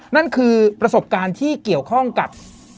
นั่นคือประสบการณ์ที่เกี่ยวข้องกับ